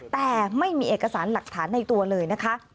แต่ไม่มีเอกสารหลักฐานในตัวเลยนะคะ